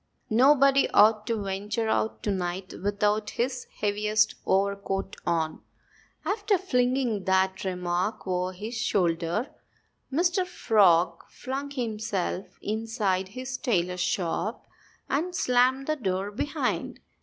Nobody ought to venture out to night without his heaviest overcoat on." After flinging that remark over his shoulder, Mr. Frog flung himself inside his tailor's shop and slammed the door behind him.